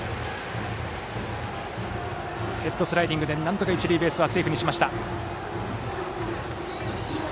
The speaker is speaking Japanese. ヘッドスライディングでなんとか一塁はセーフにしました。